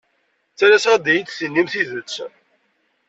Ttalaseɣ ad iyi-d-tinim tidet.